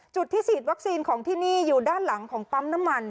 จุดที่ฉีดวัคซีนของที่นี่อยู่ด้านหลังของปั๊มน้ำมัน